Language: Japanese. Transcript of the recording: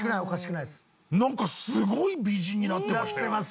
なんかすごい美人になってましたよ。